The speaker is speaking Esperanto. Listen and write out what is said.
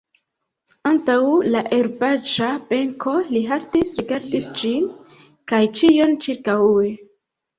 Antaŭ la herbaĵa benko li haltis, rigardis ĝin kaj ĉion ĉirkaŭe.